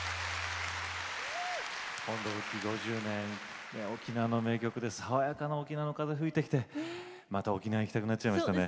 本土復帰５０年、沖縄の名曲で爽やかな沖縄の風吹いてきてまた沖縄行きたくなっちゃいますね。